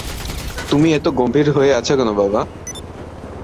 তুমি এত গম্ভীর হয়ে আছ কেন বাবা?